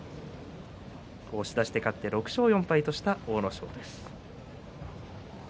押し出しで勝って６勝４敗とした阿武咲です。